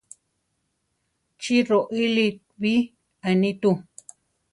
Chí roʼíli bi, anitú.